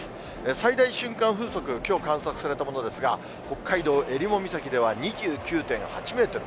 最大瞬間風速、きょう観測されたものですが、北海道えりも岬では２９．８メートル。